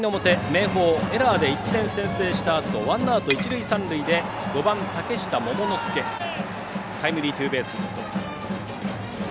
明豊がエラーで１点先制したあとワンアウト、一塁三塁で５番の嶽下桃之介がタイムリーツーベースヒット。